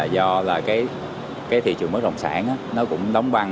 do thị trường bất động sản nó cũng đóng băng